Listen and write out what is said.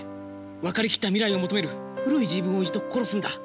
分かりきった未来を求める古い自分を一度殺すんだ。